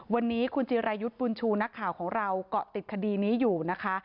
วันนี้คุณจิรายุทธ์บุญชูนักข่าวของเราก็ติดคดีนี้อยู่นะคะ